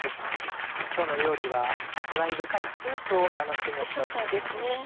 今日の料理は味わい深いスープを楽しむひと品です。